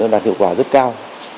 đạt hiệu quả rất cao